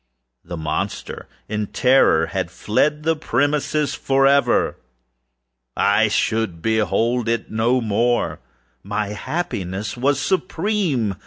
The monster, in terror, had fled the premises forever! I should behold it no more! My happiness was supreme!